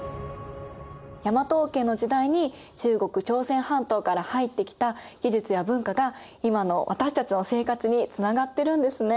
大和王権の時代に中国朝鮮半島から入ってきた技術や文化が今の私たちの生活につながってるんですね。